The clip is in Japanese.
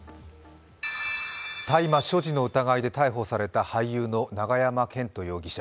大麻所持の疑いで逮捕された俳優の永山絢斗容疑者。